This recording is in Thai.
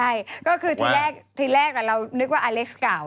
ใช่ก็คือทีแรกทีแรกเรานึกว่าอเล็กซ์เก่า